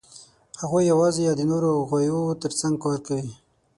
هغوی یواځې یا د نورو غویو تر څنګ کار کوي.